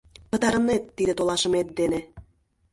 Пытарынет, тиде толашымет дене